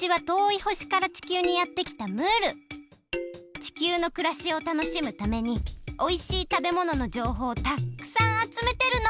地球のくらしを楽しむためにおいしい食べもののじょうほうをたっくさんあつめてるの！